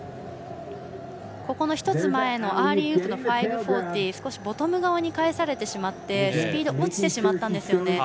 ここの１つ前のアーリーウープの５４０が少しボトム側に返されてしまってスピードが落ちてしまったんです。